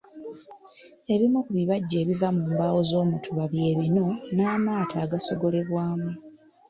Ebimu ku bibajje ebiva mu mbaawo z’omutuba bye ebinu n'amaato agasogolebwamu.